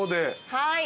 はい。